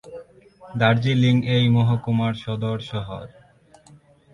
দার্জিলিং এই মহকুমার সদর শহর।